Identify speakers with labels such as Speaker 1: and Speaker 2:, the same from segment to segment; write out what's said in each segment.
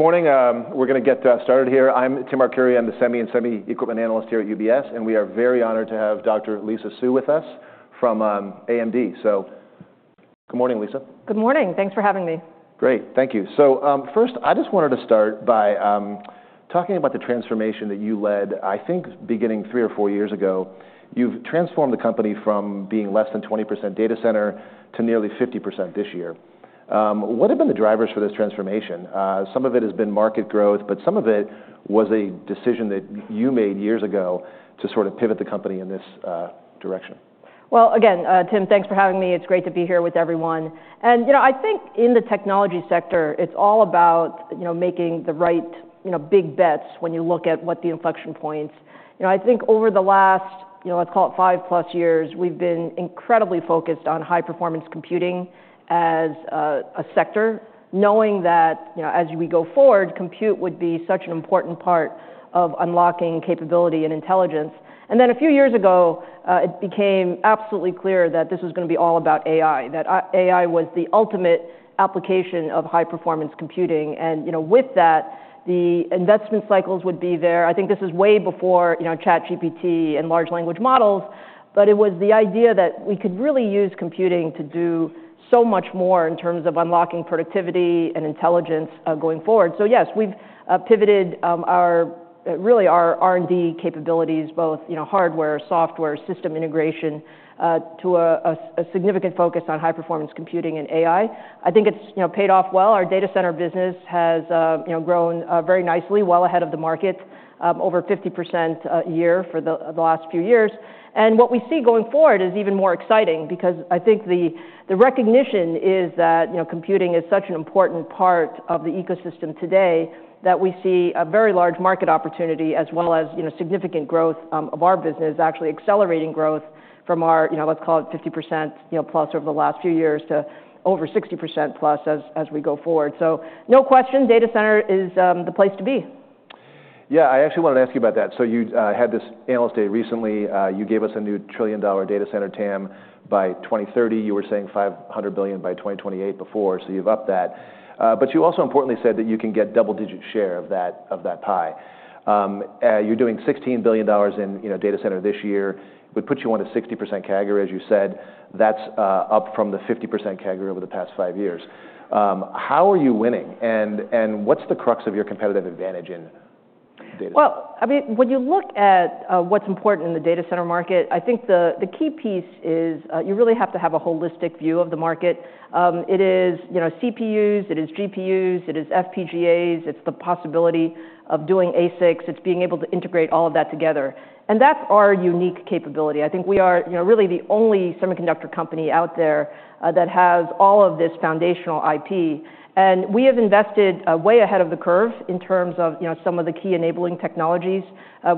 Speaker 1: Good morning. We're going to get started here. I'm Tim Arcuri. I'm the semi and semi-equipment analyst here at UBS, and we are very honored to have Dr. Lisa Su with us from AMD. So good morning, Lisa.
Speaker 2: Good morning. Thanks for having me.
Speaker 1: Great. Thank you. So first, I just wanted to start by talking about the transformation that you led, I think beginning three or four years ago. You've transformed the company from being less than 20% data center to nearly 50% this year. What have been the drivers for this transformation? Some of it has been market growth, but some of it was a decision that you made years ago to sort of pivot the company in this direction.
Speaker 2: Again, Tim, thanks for having me. It's great to be here with everyone. I think in the technology sector, it's all about making the right big bets when you look at what the inflection points are. I think over the last, let's call it five-plus years, we've been incredibly focused on high-performance computing as a sector, knowing that as we go forward, compute would be such an important part of unlocking capability and intelligence. Then a few years ago, it became absolutely clear that this was going to be all about AI, that AI was the ultimate application of high-performance computing. With that, the investment cycles would be there. I think this is way before ChatGPT and large language models, but it was the idea that we could really use computing to do so much more in terms of unlocking productivity and intelligence going forward. So yes, we've pivoted really our R&D capabilities, both hardware, software, system integration, to a significant focus on high-performance computing and AI. I think it's paid off well. Our data center business has grown very nicely, well ahead of the market, over 50% a year for the last few years. And what we see going forward is even more exciting because I think the recognition is that computing is such an important part of the ecosystem today that we see a very large market opportunity as well as significant growth of our business, actually accelerating growth from our, let's call it 50%+ over the last few years to over 60%+ as we go forward. So no question, data center is the place to be.
Speaker 1: Yeah, I actually wanted to ask you about that. So you had this analyst day recently. You gave us a new trillion-dollar data center TAM, Tim. By 2030, you were saying $500 billion by 2028 before. So you've upped that. But you also importantly said that you can get a double-digit share of that pie. You're doing $16 billion in data center this year, would put you on a 60% CAGR, as you said. That's up from the 50% CAGR over the past five years. How are you winning? And what's the crux of your competitive advantage in data center?
Speaker 2: Well, I mean, when you look at what's important in the data center market, I think the key piece is you really have to have a holistic view of the market. It is CPUs, it is GPUs, it is FPGAs, it's the possibility of doing ASICs, it's being able to integrate all of that together. And that's our unique capability. I think we are really the only semiconductor company out there that has all of this foundational IP. And we have invested way ahead of the curve in terms of some of the key enabling technologies.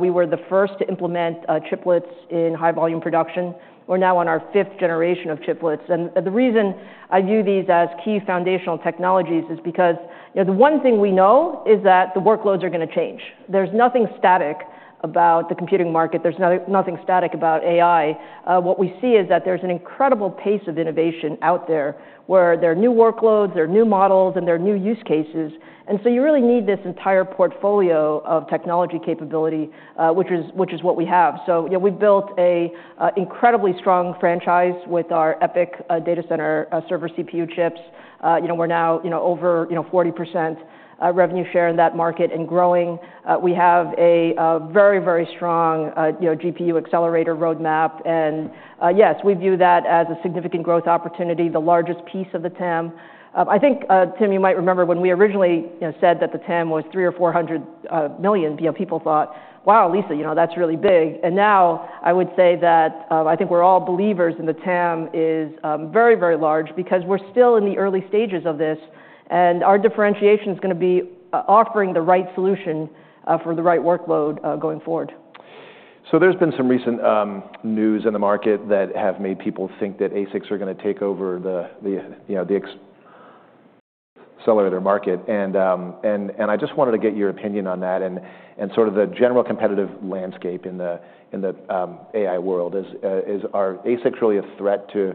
Speaker 2: We were the first to implement chiplets in high-volume production. We're now on our fifth generation of chiplets. And the reason I view these as key foundational technologies is because the one thing we know is that the workloads are going to change. There's nothing static about the computing market. There's nothing static about AI. What we see is that there's an incredible pace of innovation out there where there are new workloads, there are new models, and there are new use cases. And so you really need this entire portfolio of technology capability, which is what we have. So we've built an incredibly strong franchise with our EPYC data center server CPU chips. We're now over 40% revenue share in that market and growing. We have a very, very strong GPU accelerator roadmap. And yes, we view that as a significant growth opportunity, the largest piece of the TAM. I think, Tim, you might remember when we originally said that the TAM was $300 million or $400 million, people thought, wow, Lisa, that's really big. Now I would say that I think we're all believers in the TAM is very, very large because we're still in the early stages of this. Our differentiation is going to be offering the right solution for the right workload going forward.
Speaker 1: So there's been some recent news in the market that have made people think that ASICs are going to take over the accelerator market. And I just wanted to get your opinion on that and sort of the general competitive landscape in the AI world. Is our ASIC really a threat to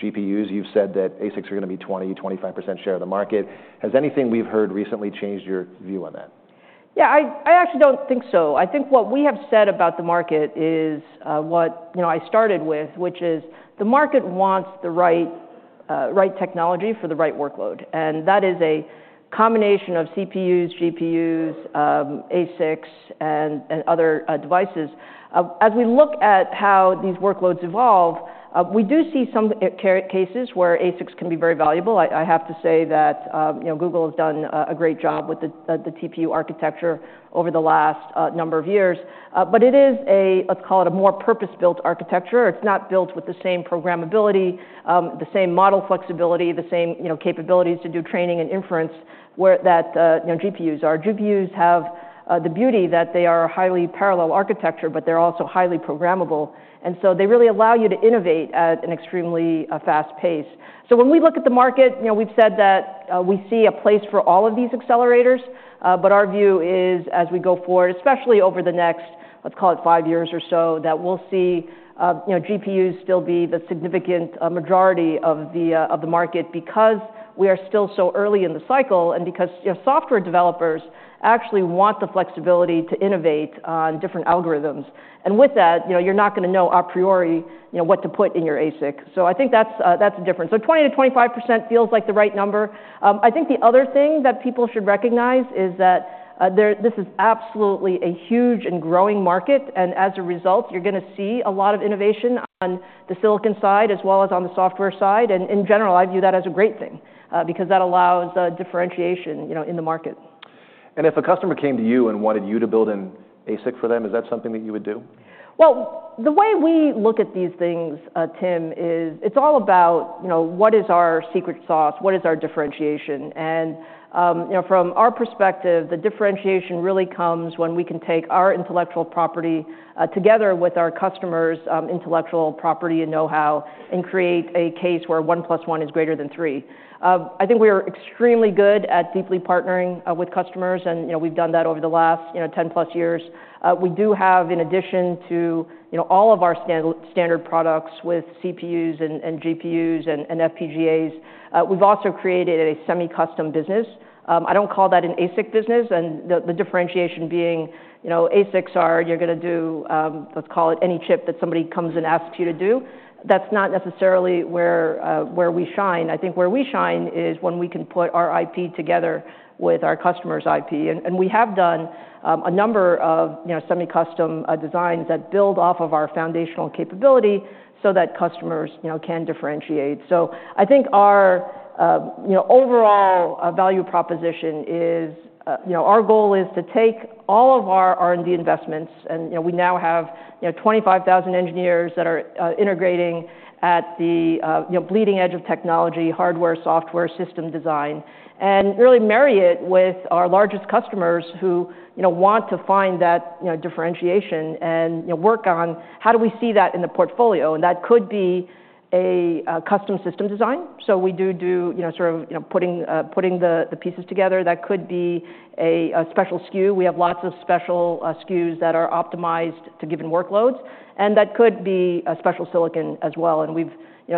Speaker 1: GPUs? You've said that ASICs are going to be 20%, 25% share of the market. Has anything we've heard recently changed your view on that?
Speaker 2: Yeah, I actually don't think so. I think what we have said about the market is what I started with, which is the market wants the right technology for the right workload. And that is a combination of CPUs, GPUs, ASICs, and other devices. As we look at how these workloads evolve, we do see some cases where ASICs can be very valuable. I have to say that Google has done a great job with the TPU architecture over the last number of years. But it is a, let's call it a more purpose-built architecture. It's not built with the same programmability, the same model flexibility, the same capabilities to do training and inference where GPUs are. GPUs have the beauty that they are a highly parallel architecture, but they're also highly programmable. And so they really allow you to innovate at an extremely fast pace. So when we look at the market, we've said that we see a place for all of these accelerators. But our view is, as we go forward, especially over the next, let's call it five years or so, that we'll see GPUs still be the significant majority of the market because we are still so early in the cycle and because software developers actually want the flexibility to innovate on different algorithms. And with that, you're not going to know a priority what to put in your ASIC. So I think that's the difference. So 20%-25% feels like the right number. I think the other thing that people should recognize is that this is absolutely a huge and growing market. And as a result, you're going to see a lot of innovation on the silicon side as well as on the software side. In general, I view that as a great thing because that allows differentiation in the market.
Speaker 1: If a customer came to you and wanted you to build an ASIC for them, is that something that you would do?
Speaker 2: The way we look at these things, Tim, is it's all about what is our secret sauce, what is our differentiation. From our perspective, the differentiation really comes when we can take our intellectual property together with our customer's intellectual property and know-how and create a case where one+ one is greater than three. I think we are extremely good at deeply partnering with customers, and we've done that over the last 10+ years. We do have, in addition to all of our standard products with CPUs and GPUs and FPGAs, we've also created a semi-custom business. I don't call that an ASIC business, and the differentiation being ASICs are, you're going to do, let's call it any chip that somebody comes and asks you to do. That's not necessarily where we shine. I think where we shine is when we can put our IP together with our customer's IP. And we have done a number of semi-custom designs that build off of our foundational capability so that customers can differentiate. So I think our overall value proposition is our goal is to take all of our R&D investments, and we now have 25,000 engineers that are integrating at the bleeding edge of technology, hardware, software, system design, and really marry it with our largest customers who want to find that differentiation and work on how do we see that in the portfolio. And that could be a custom system design. So we do do sort of putting the pieces together. That could be a special SKU. We have lots of special SKUs that are optimized to given workloads. And that could be a special silicon as well. We've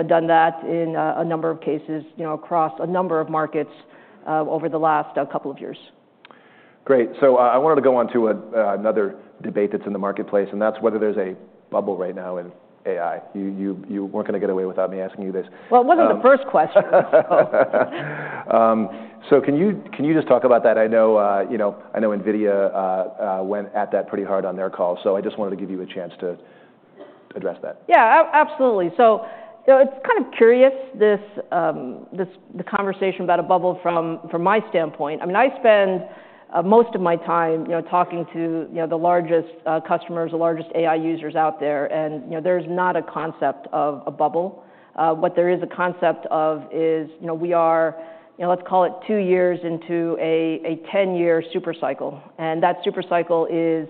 Speaker 2: done that in a number of cases across a number of markets over the last couple of years.
Speaker 1: Great. So I wanted to go on to another debate that's in the marketplace, and that's whether there's a bubble right now in AI. You weren't going to get away without me asking you this.
Speaker 2: It wasn't the first question.
Speaker 1: So can you just talk about that? I know NVIDIA went at that pretty hard on their call. So I just wanted to give you a chance to address that.
Speaker 2: Yeah, absolutely. So it's kind of curious, the conversation about a bubble from my standpoint. I mean, I spend most of my time talking to the largest customers, the largest AI users out there. And there's not a concept of a bubble. What there is a concept of is we are, let's call it, two years into a 10-year supercycle. And that supercycle is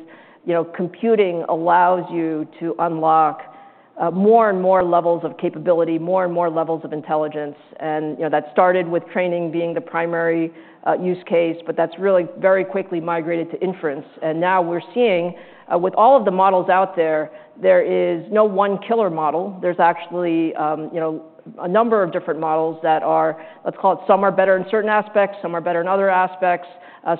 Speaker 2: computing allows you to unlock more and more levels of capability, more and more levels of intelligence. And that started with training being the primary use case, but that's really very quickly migrated to inference. And now we're seeing with all of the models out there, there is no one killer model. There's actually a number of different models that are, let's call it, some are better in certain aspects, some are better in other aspects.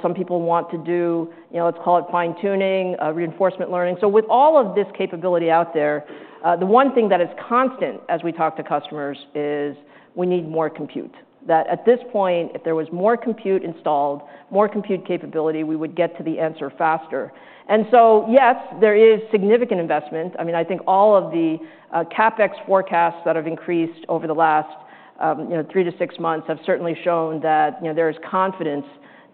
Speaker 2: Some people want to do, let's call it fine-tuning, reinforcement learning. With all of this capability out there, the one thing that is constant as we talk to customers is we need more compute. That at this point, if there was more compute installed, more compute capability, we would get to the answer faster. Yes, there is significant investment. I mean, I think all of the CapEx forecasts that have increased over the last three-to-six months have certainly shown that there is confidence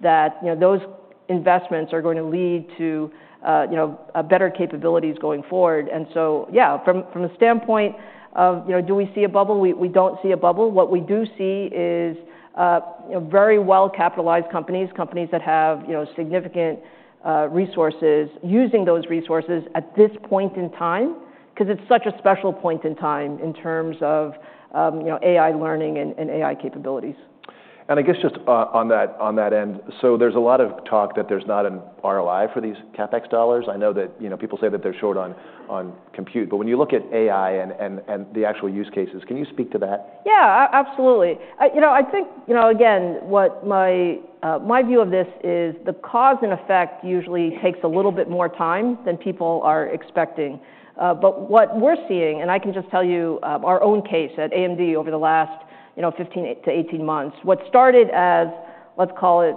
Speaker 2: that those investments are going to lead to better capabilities going forward. Yeah, from the standpoint of, do we see a bubble? We don't see a bubble. What we do see is very well-capitalized companies, companies that have significant resources using those resources at this point in time because it's such a special point in time in terms of AI learning and AI capabilities.
Speaker 1: And I guess just on that end, so there's a lot of talk that there's not an ROI for these CapEx dollars. I know that people say that they're short on compute. But when you look at AI and the actual use cases, can you speak to that?
Speaker 2: Yeah, absolutely. I think, again, what my view of this is the cause and effect usually takes a little bit more time than people are expecting. But what we're seeing, and I can just tell you our own case at AMD over the last 15 months-18 months, what started as, let's call it,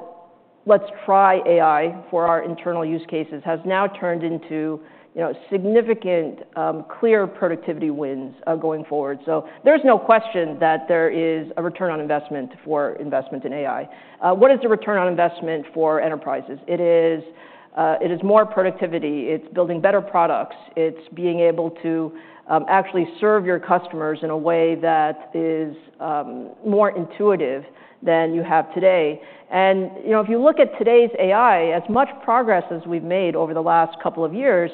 Speaker 2: let's try AI for our internal use cases has now turned into significant clear productivity wins going forward. So there's no question that there is a return on investment for investment in AI. What is the return on investment for enterprises? It is more productivity. It's building better products. It's being able to actually serve your customers in a way that is more intuitive than you have today. And if you look at today's AI, as much progress as we've made over the last couple of years,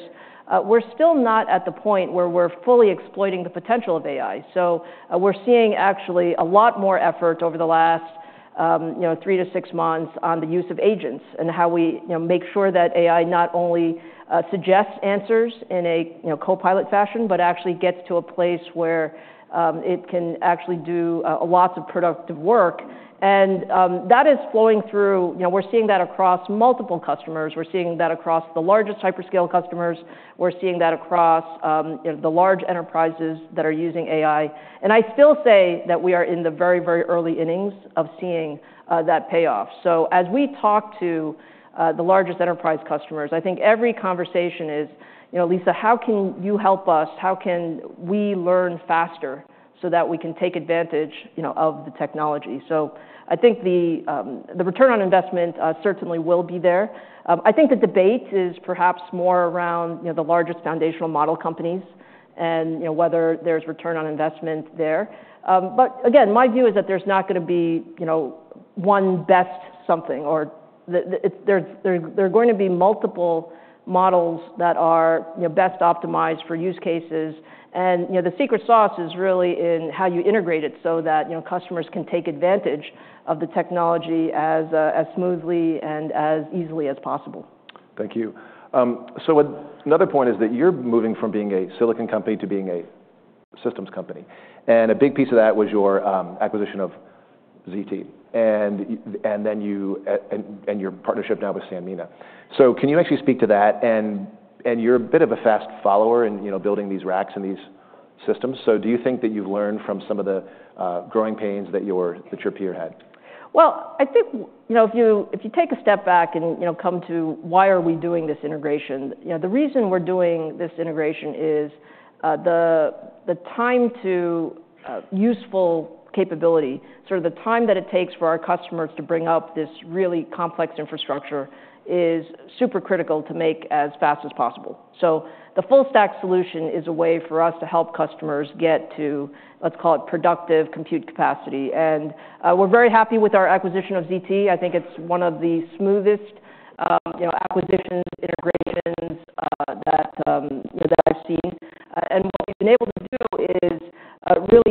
Speaker 2: we're still not at the point where we're fully exploiting the potential of AI. So we're seeing actually a lot more effort over the last three to six months on the use of agents and how we make sure that AI not only suggests answers in a copilot fashion, but actually gets to a place where it can actually do lots of productive work. And that is flowing through. We're seeing that across multiple customers. We're seeing that across the largest hyperscale customers. We're seeing that across the large enterprises that are using AI. And I still say that we are in the very, very early innings of seeing that payoff. So as we talk to the largest enterprise customers, I think every conversation is, Lisa, how can you help us? How can we learn faster so that we can take advantage of the technology? So I think the return on investment certainly will be there. I think the debate is perhaps more around the largest foundational model companies and whether there's return on investment there. But again, my view is that there's not going to be one best something or there are going to be multiple models that are best optimized for use cases. And the secret sauce is really in how you integrate it so that customers can take advantage of the technology as smoothly and as easily as possible.
Speaker 1: Thank you. So another point is that you're moving from being a silicon company to being a systems company. And a big piece of that was your acquisition of ZT. And then your partnership now with Sanmina. So can you actually speak to that? And you're a bit of a fast follower in building these racks and these systems. So do you think that you've learned from some of the growing pains that your peer had?
Speaker 2: I think if you take a step back and come to why are we doing this integration, the reason we're doing this integration is the time to useful capability, sort of the time that it takes for our customers to bring up this really complex infrastructure is super critical to make as fast as possible. So the full-stack solution is a way for us to help customers get to, let's call it, productive compute capacity. And we're very happy with our acquisition of ZT. I think it's one of the smoothest acquisitions, integrations that I've seen. And what we've been able to do is really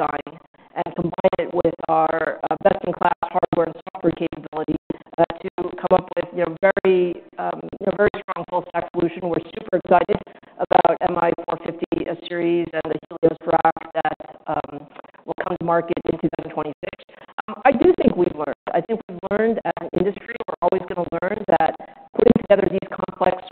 Speaker 2: take what's called best-in-class system design and combine it with our best-in-class hardware and software capability to come up with a very strong full-stack solution. We're super excited about MI450 series and the Helios rack that will come to market in 2026. I do think we've learned. I think we've learned as an industry, we're always going to learn that putting together these complex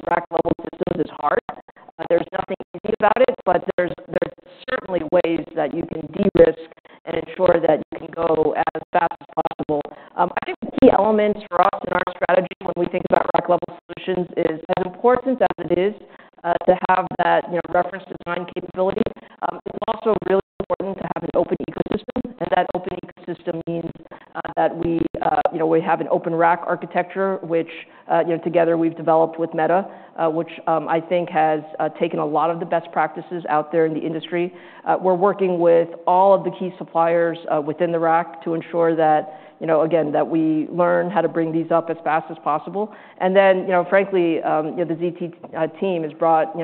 Speaker 2: rack-level systems is hard. There's nothing easy about it, but there's certainly ways that you can de-risk and ensure that you can go as fast as possible. I think the key elements for us in our strategy when we think about rack-level solutions is as important as it is to have that reference design capability. It's also really important to have an open ecosystem. And that open ecosystem means that we have an open rack architecture, which together we've developed with Meta, which I think has taken a lot of the best practices out there in the industry. We're working with all of the key suppliers within the rack to ensure that, again, that we learn how to bring these up as fast as possible. And then, frankly, the ZT team has brought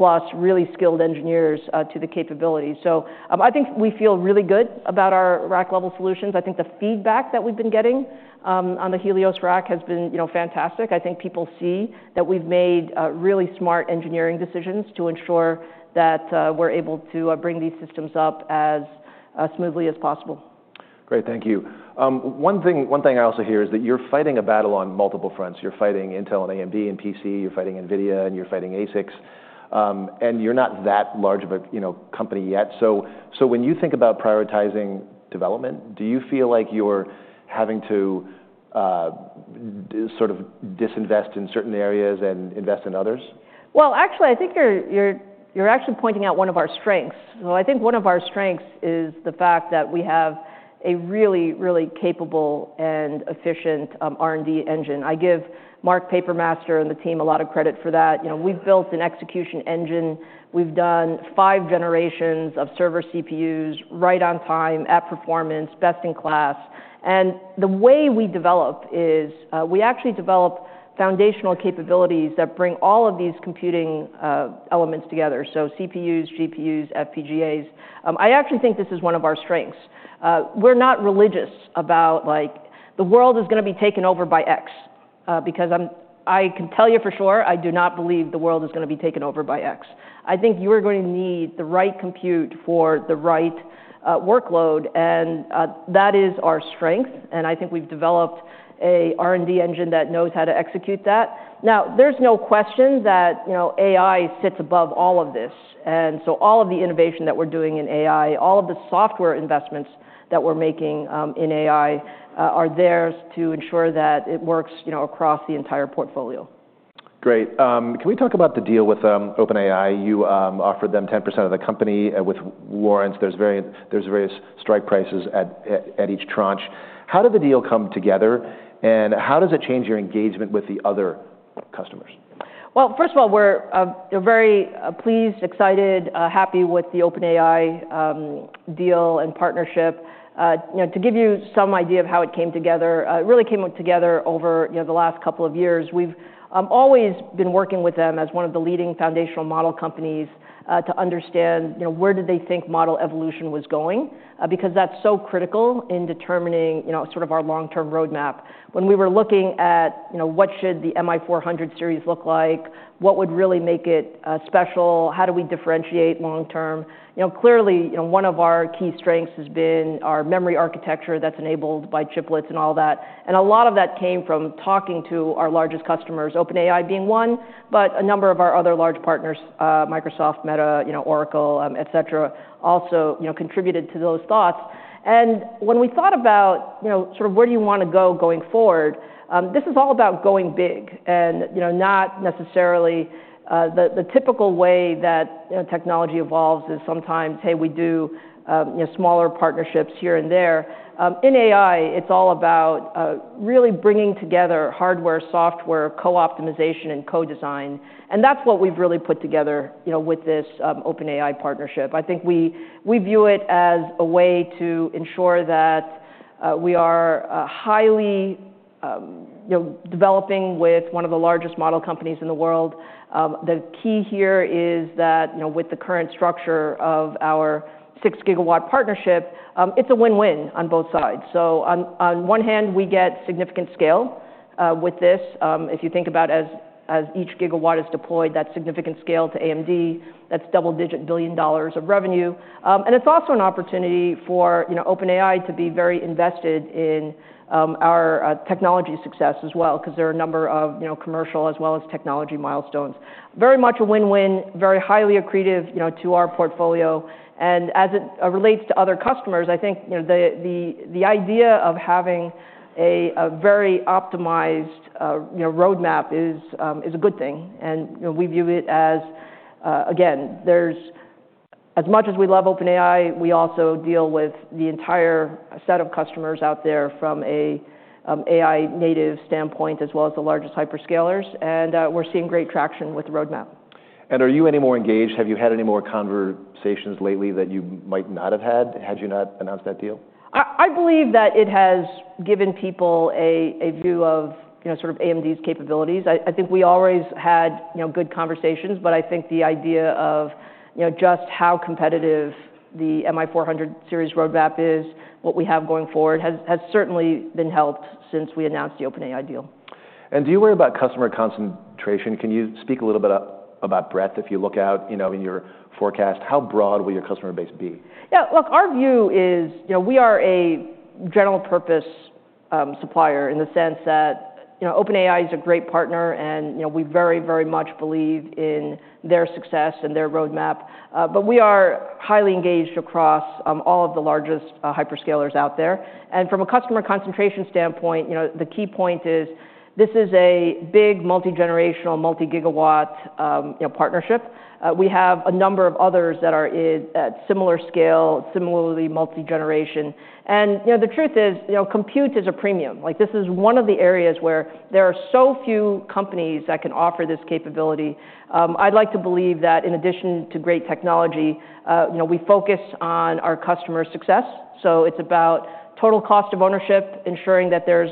Speaker 2: 1,000+ really skilled engineers to the capability. So I think we feel really good about our rack-level solutions. I think the feedback that we've been getting on the Helios rack has been fantastic. I think people see that we've made really smart engineering decisions to ensure that we're able to bring these systems up as smoothly as possible.
Speaker 1: Great, thank you. One thing I also hear is that you're fighting a battle on multiple fronts. You're fighting Intel and AMD and PC. You're fighting NVIDIA and you're fighting ASICs. And you're not that large of a company yet. So when you think about prioritizing development, do you feel like you're having to sort of disinvest in certain areas and invest in others?
Speaker 2: Actually, I think you're actually pointing out one of our strengths, so I think one of our strengths is the fact that we have a really, really capable and efficient R&D engine. I give Mark Papermaster and the team a lot of credit for that. We've built an execution engine. We've done five generations of server CPUs right on time at performance, best in class, and the way we develop is we actually develop foundational capabilities that bring all of these computing elements together, so CPUs, GPUs, FPGAs. I actually think this is one of our strengths. We're not religious about the world is going to be taken over by X because I can tell you for sure, I do not believe the world is going to be taken over by X. I think you are going to need the right compute for the right workload. And that is our strength. And I think we've developed an R&D engine that knows how to execute that. Now, there's no question that AI sits above all of this. And so all of the innovation that we're doing in AI, all of the software investments that we're making in AI are there to ensure that it works across the entire portfolio.
Speaker 1: Great. Can we talk about the deal with OpenAI? You offered them 10% of the company with warrants. There's various strike prices at each tranche. How did the deal come together? And how does it change your engagement with the other customers?
Speaker 2: First of all, we're very pleased, excited, happy with the OpenAI deal and partnership. To give you some idea of how it came together, it really came together over the last couple of years. We've always been working with them as one of the leading foundational model companies to understand where did they think model evolution was going because that's so critical in determining sort of our long-term roadmap. When we were looking at what should the MI400 series look like, what would really make it special, how do we differentiate long-term? Clearly, one of our key strengths has been our memory architecture that's enabled by chiplets and all that. And a lot of that came from talking to our largest customers, OpenAI being one, but a number of our other large partners, Microsoft, Meta, Oracle, et cetera, also contributed to those thoughts. When we thought about sort of where do you want to go going forward, this is all about going big and not necessarily the typical way that technology evolves is sometimes, hey, we do smaller partnerships here and there. In AI, it's all about really bringing together hardware, software, co-optimization, and co-design. That's what we've really put together with this OpenAI partnership. I think we view it as a way to ensure that we are highly developing with one of the largest model companies in the world. The key here is that with the current structure of our 6-gigawatt partnership, it's a win-win on both sides. On one hand, we get significant scale with this. If you think about as each gigawatt is deployed, that's significant scale to AMD. That's double-digit billion dollars of revenue. And it's also an opportunity for OpenAI to be very invested in our technology success as well because there are a number of commercial as well as technology milestones. Very much a win-win, very highly accretive to our portfolio. And as it relates to other customers, I think the idea of having a very optimized roadmap is a good thing. And we view it as, again, as much as we love OpenAI, we also deal with the entire set of customers out there from an AI-native standpoint as well as the largest hyperscalers. And we're seeing great traction with the roadmap.
Speaker 1: Are you any more engaged? Have you had any more conversations lately that you might not have had had you not announced that deal?
Speaker 2: I believe that it has given people a view of sort of AMD's capabilities. I think we always had good conversations, but I think the idea of just how competitive the MI400 series roadmap is, what we have going forward, has certainly been helped since we announced the OpenAI deal.
Speaker 1: Do you worry about customer concentration? Can you speak a little bit about breadth? If you look out in your forecast, how broad will your customer base be?
Speaker 2: Yeah, look, our view is we are a general-purpose supplier in the sense that OpenAI is a great partner. And we very, very much believe in their success and their roadmap. But we are highly engaged across all of the largest hyperscalers out there. And from a customer concentration standpoint, the key point is this is a big multi-generational, multi-gigawatt partnership. We have a number of others that are at similar scale, similarly multi-generation. And the truth is compute is a premium. This is one of the areas where there are so few companies that can offer this capability. I'd like to believe that in addition to great technology, we focus on our customer success. So it's about total cost of ownership, ensuring that there's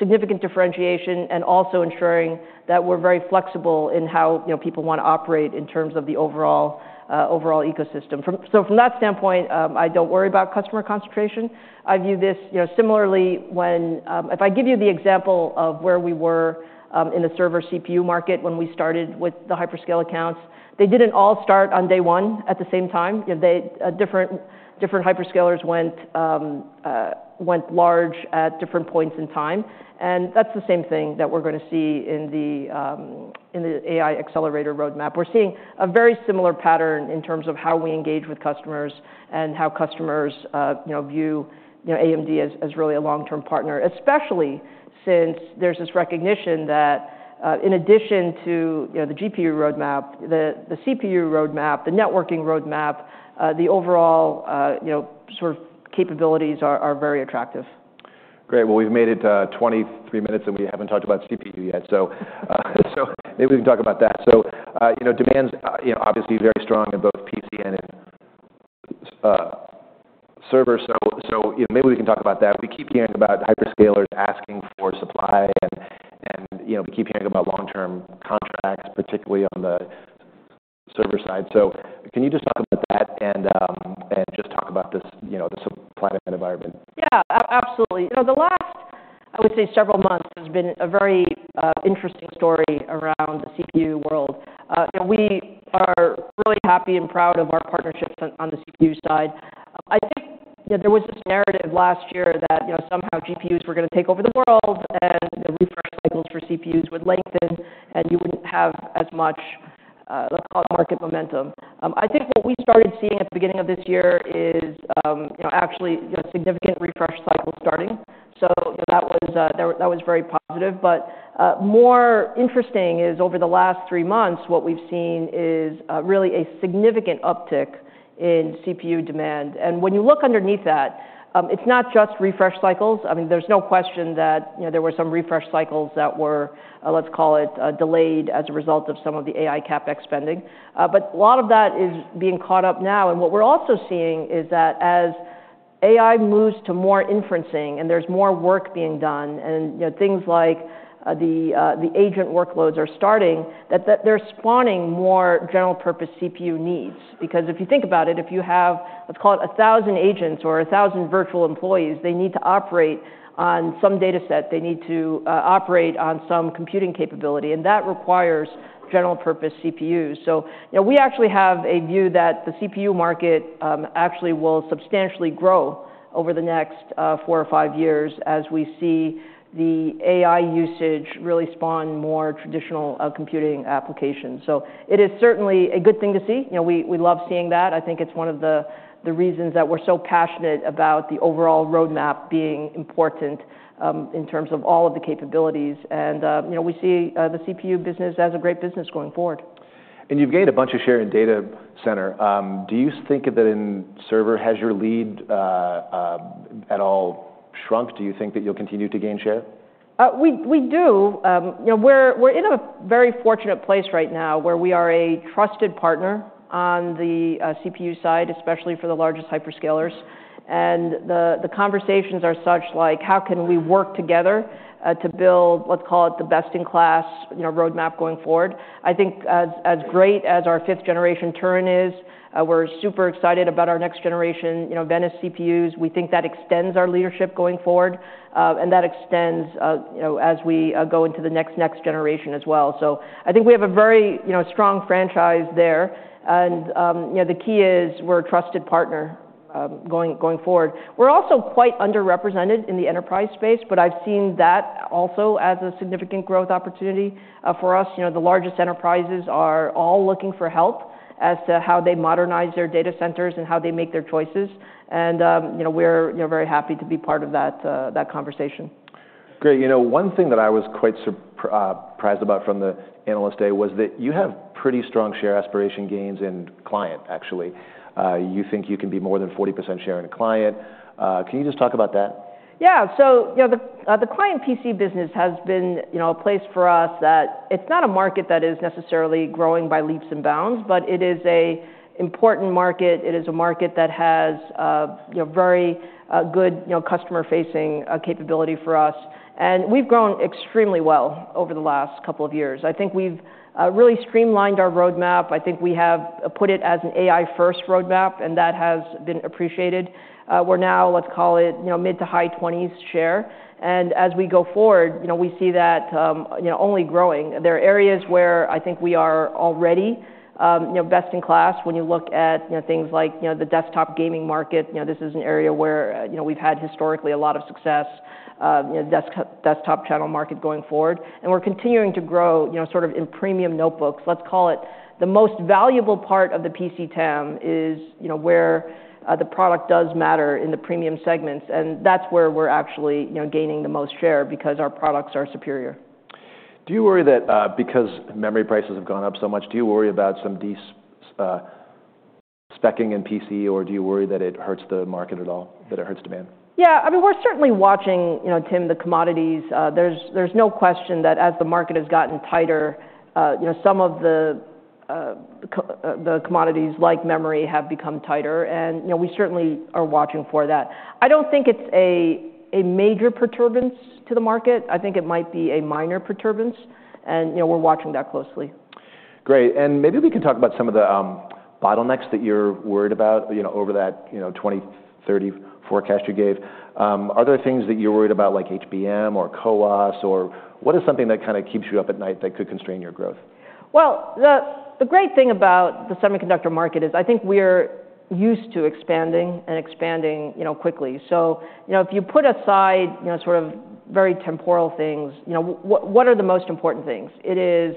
Speaker 2: significant differentiation, and also ensuring that we're very flexible in how people want to operate in terms of the overall ecosystem. So from that standpoint, I don't worry about customer concentration. I view this similarly when if I give you the example of where we were in the server CPU market when we started with the hyperscale accounts, they didn't all start on day one at the same time. Different hyperscalers went large at different points in time. And that's the same thing that we're going to see in the AI accelerator roadmap. We're seeing a very similar pattern in terms of how we engage with customers and how customers view AMD as really a long-term partner, especially since there's this recognition that in addition to the GPU roadmap, the CPU roadmap, the networking roadmap, the overall sort of capabilities are very attractive.
Speaker 1: Great. Well, we've made it 23 minutes and we haven't talked about CPU yet. So maybe we can talk about that. Demand's obviously very strong in both PC and in server. Maybe we can talk about that. We keep hearing about hyperscalers asking for supply. We keep hearing about long-term contracts, particularly on the server side. Can you just talk about that and just talk about the supply environment?
Speaker 2: Yeah, absolutely. The last, I would say, several months has been a very interesting story around the CPU world. We are really happy and proud of our partnerships on the CPU side. I think there was this narrative last year that somehow GPUs were going to take over the world and the refresh cycles for CPUs would lengthen and you wouldn't have as much market momentum. I think what we started seeing at the beginning of this year is actually a significant refresh cycle starting, so that was very positive, but more interesting is over the last three months, what we've seen is really a significant uptick in CPU demand, and when you look underneath that, it's not just refresh cycles. I mean, there's no question that there were some refresh cycles that were, let's call it, delayed as a result of some of the AI CapEx spending. But a lot of that is being caught up now. And what we're also seeing is that as AI moves to more inferencing and there's more work being done and things like the agent workloads are starting, that they're spawning more general-purpose CPU needs. Because if you think about it, if you have, let's call it, 1,000 agents or 1,000 virtual employees, they need to operate on some data set. They need to operate on some computing capability. And that requires general-purpose CPUs. So we actually have a view that the CPU market actually will substantially grow over the next four or five years as we see the AI usage really spawn more traditional computing applications. So it is certainly a good thing to see. We love seeing that. I think it's one of the reasons that we're so passionate about the overall roadmap being important in terms of all of the capabilities, and we see the CPU business as a great business going forward.
Speaker 1: You've gained a bunch of share in data center. Do you think that your lead in servers has at all shrunk? Do you think that you'll continue to gain share?
Speaker 2: We do. We're in a very fortunate place right now where we are a trusted partner on the CPU side, especially for the largest hyperscalers. And the conversations are such like, how can we work together to build, let's call it, the best in class roadmap going forward? I think as great as our 5th generation Turin is, we're super excited about our next generation Venice CPUs. We think that extends our leadership going forward. And that extends as we go into the next next generation as well. So I think we have a very strong franchise there. And the key is we're a trusted partner going forward. We're also quite underrepresented in the enterprise space, but I've seen that also as a significant growth opportunity for us. The largest enterprises are all looking for help as to how they modernize their data centers and how they make their choices. We're very happy to be part of that conversation.
Speaker 1: Great. One thing that I was quite surprised about from the Analyst Day was that you have pretty strong share aspiration gains in client, actually. You think you can be more than 40% share in client. Can you just talk about that?
Speaker 2: Yeah. So the client PC business has been a place for us that it's not a market that is necessarily growing by leaps and bounds, but it is an important market. It is a market that has very good customer-facing capability for us. And we've grown extremely well over the last couple of years. I think we've really streamlined our roadmap. I think we have put it as an AI-first roadmap, and that has been appreciated. We're now, let's call it, mid- to high-20s share. And as we go forward, we see that only growing. There are areas where I think we are already best in class. When you look at things like the desktop gaming market, this is an area where we've had historically a lot of success, desktop channel market going forward. And we're continuing to grow sort of in premium notebooks. Let's call it the most valuable part of the PC TAM is where the product does matter in the premium segments, and that's where we're actually gaining the most share because our products are superior.
Speaker 1: Do you worry that because memory prices have gone up so much, do you worry about some de-speccing in PC, or do you worry that it hurts the market at all, that it hurts demand?
Speaker 2: Yeah. I mean, we're certainly watching, Tim, the commodities. There's no question that as the market has gotten tighter, some of the commodities like memory have become tighter. And we certainly are watching for that. I don't think it's a major perturbance to the market. I think it might be a minor perturbance. And we're watching that closely.
Speaker 1: Great. And maybe we can talk about some of the bottlenecks that you're worried about over that 2030 forecast you gave. Are there things that you're worried about like HBM or CoWoS? Or what is something that kind of keeps you up at night that could constrain your growth?
Speaker 2: The great thing about the semiconductor market is I think we're used to expanding and expanding quickly, so if you put aside sort of very temporal things, what are the most important things? It is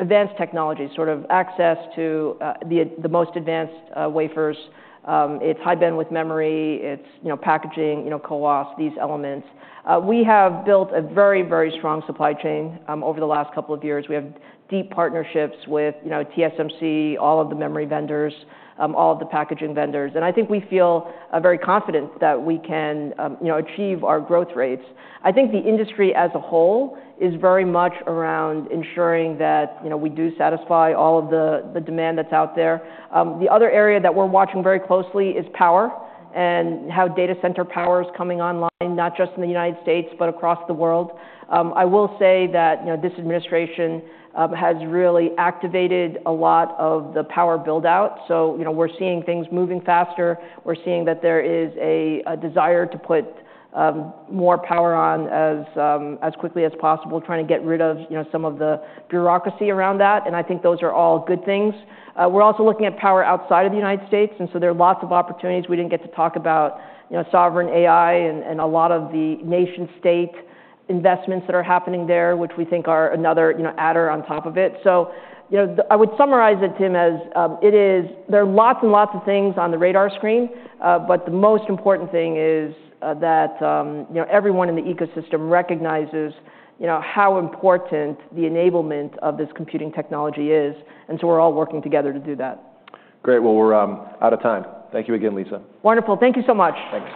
Speaker 2: advanced technology, sort of access to the most advanced wafers. It's high bandwidth memory. It's packaging, CoWoS, these elements. We have built a very, very strong supply chain over the last couple of years. We have deep partnerships with TSMC, all of the memory vendors, all of the packaging vendors, and I think we feel very confident that we can achieve our growth rates. I think the industry as a whole is very much around ensuring that we do satisfy all of the demand that's out there. The other area that we're watching very closely is power and how data center power is coming online, not just in the United States, but across the world. I will say that this administration has really activated a lot of the power buildout, so we're seeing things moving faster. We're seeing that there is a desire to put more power on as quickly as possible, trying to get rid of some of the bureaucracy around that, and I think those are all good things. We're also looking at power outside of the United States, and so there are lots of opportunities. We didn't get to talk about sovereign AI and a lot of the nation-state investments that are happening there, which we think are another adder on top of it. So I would summarize it, Tim, as there are lots and lots of things on the radar screen, but the most important thing is that everyone in the ecosystem recognizes how important the enablement of this computing technology is. And so we're all working together to do that.
Speaker 1: Great. Well, we're out of time. Thank you again, Lisa.
Speaker 2: Wonderful. Thank you so much.
Speaker 1: Thanks.